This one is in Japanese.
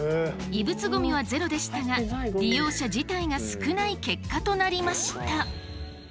異物ゴミはゼロでしたが利用者自体が少ない結果となりました。